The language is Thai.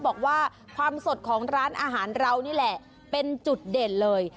บอกว่าความสดของร้านอาหารเรานี่แหละเป็นจุดเด่นเลย